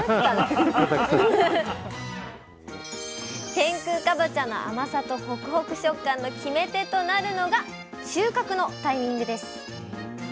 天空かぼちゃの甘さとホクホク食感の決め手となるのが収穫のタイミングです。